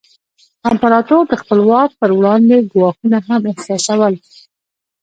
امپراتور د خپل واک پر وړاندې ګواښونه هم احساسول.